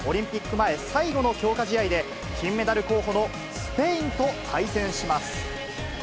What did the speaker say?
前最後の強化試合で、金メダル候補のスペインと対戦します。